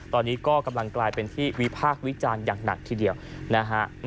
ตอนนี้ก็กำลังกลายเป็นที่วิพากษ์วิจารณ์อย่างหนักทีเดียวนะฮะ